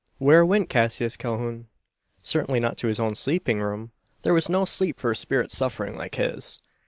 Where went Cassius Calhoun? Certainly not to his own sleeping room. There was no sleep for a spirit suffering like his.